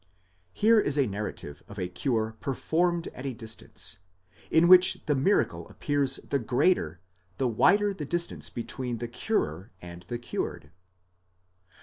Here is a narrative of a cure performed at a distance, in which the miracle appears the greater, the wider the distance between the curer and the cured.